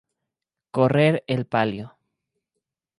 Correr el palio.